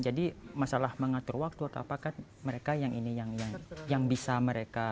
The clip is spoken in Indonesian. jadi masalah mengatur waktu atau apakah mereka yang bisa mereka